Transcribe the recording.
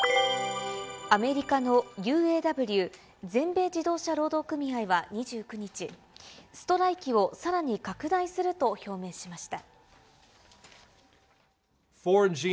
アメリカのＵＡＷ・全米自動車労働組合は２９日、ストライキをさらに拡大すると表明しました。